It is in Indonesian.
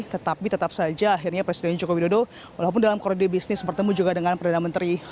tetapi tetap saja akhirnya presiden joko widodo walaupun dalam koride bisnis bertemu juga dengan perdana menteri